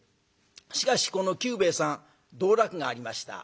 しかしこの久兵衛さん道楽がありました。